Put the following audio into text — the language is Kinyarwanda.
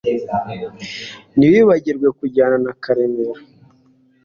Ntiwibagirwe kujyana na kamera